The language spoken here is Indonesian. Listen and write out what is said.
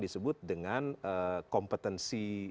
disebut dengan kompetensi